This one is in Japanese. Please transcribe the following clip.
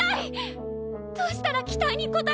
どうしたら期待に応えられる？